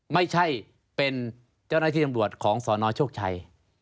ไม่ใช่เป็นเจ้าหน้าที่ตำรวจของสนโชคชัย